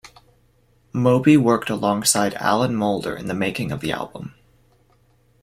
Moby worked alongside Alan Moulder in the making of the album.